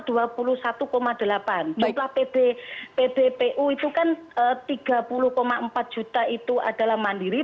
jumlah pdpu itu kan tiga puluh empat juta itu adalah mandiri